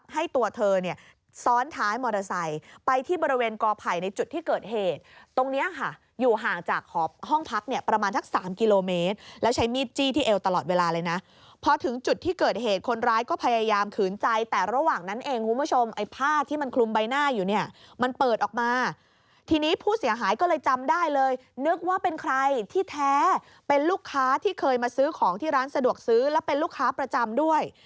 ห้องพักเนี่ยประมาณทั้ง๓กิโลเมตรแล้วใช้มีดจี้ที่เอวตลอดเวลาเลยนะพอถึงจุดที่เกิดเหตุคนร้ายก็พยายามขืนใจแต่ระหว่างนั้นเองคุณผู้ชมไอ้ผ้าที่มันคลุมใบหน้าอยู่เนี่ยมันเปิดออกมาทีนี้ผู้เสียหายก็เลยจำได้เลยนึกว่าเป็นใครที่แท้เป็นลูกค้าที่เคยมาซื้อของที่ร้านสะดวกซื้อแล้วเป็นลูกค้าประจำด